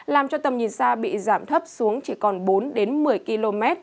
làm cho tầm nhìn xa bị giảm thấp xuống chỉ còn bốn một mươi km